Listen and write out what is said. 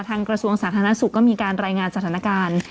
ทางกระทรวงสาธารณสุขก็มีการรายงานจัดหน้าการ